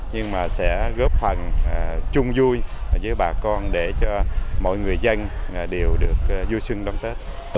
nhưng mà sẽ góp phần chung vui với bà con để cho mọi người dân đều được vui sưng đón tết